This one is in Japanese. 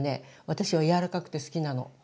私はやわらかくて好きなの。